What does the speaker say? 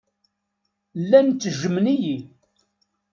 Llan ttejjmen-iyi.